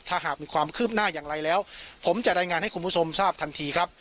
ถ้าหากมีความคืบหน้าอย่างไรแล้วผมจะรายงานให้คุณผู้ชมทราบทันทีครับ